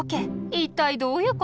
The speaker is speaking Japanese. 一体どういうこと？